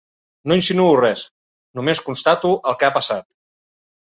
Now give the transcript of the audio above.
No insinuo res, només constato el que ha passat.